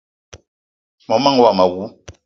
Mon manga womo awou!